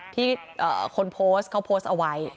ที่คนโพสต์เราก็พอสอวัย